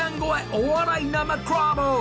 お笑い生コラボ！